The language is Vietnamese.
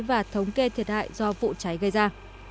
và thống kê thiệt hại do vụ cháy gây ra